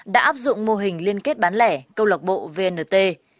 đã áp dụng mô hình liên kết bán lẻ câu lạc bộ vnt